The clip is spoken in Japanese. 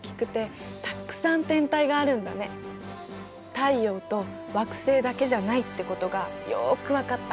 太陽と惑星だけじゃないってことがよく分かった。